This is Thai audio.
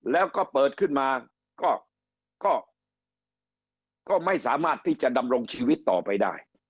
แล้วก็เปิดขึ้นมาก็ไม่สามารถที่จะดำรงชีวิตต่อไปได้